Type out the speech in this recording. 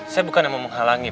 saya bukan mau menghalangi